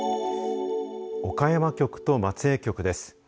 岡山局と松江局です。